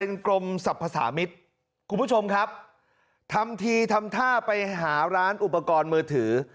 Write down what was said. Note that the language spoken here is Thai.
เป็นกรมศัพท์ภาษามิตคุณผู้ชมครับทำทีทำท่าไปหาร้านอุปกรณ์มือถือ